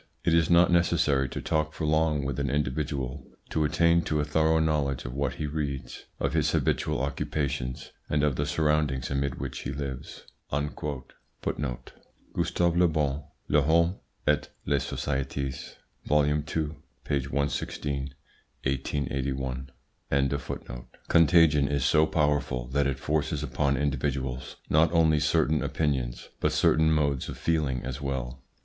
It is not necessary to talk for long with an individual to attain to a thorough knowledge of what he reads, of his habitual occupations, and of the surroundings amid which he lives." Gustave le Bon, "L'Homme et les Societes," vol. ii. p. 116. 1881. Contagion is so powerful that it forces upon individuals not only certain opinions, but certain modes of feeling as well.